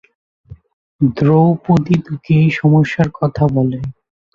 দ্রৌপদী তাকে এই সমস্যার কথা বলে।